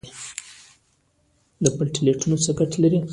پلیټلیټونه څه ګټه لري؟